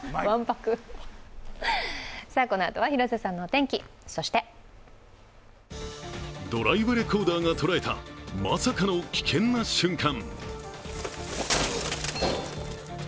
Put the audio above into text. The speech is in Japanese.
このあとは広瀬さんのお天気、そしてドライブレコーダーがとらえたまさかの危険な瞬間。